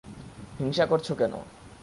হিংসা করছ কেন?